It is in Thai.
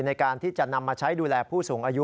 ในการที่จะนำมาใช้ดูแลผู้สูงอายุ